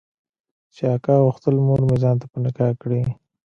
چې اکا غوښتل مورمې ځان ته په نکاح کړي.